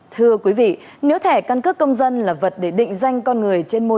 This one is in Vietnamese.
thưa quý vị nếu thẻ căn cước công dân là vật để định danh con người